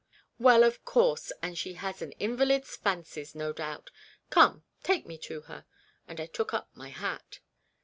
" Well, of course, and has an invalid's fancies, no doubt. Come, take me to her." And I took up rny hat.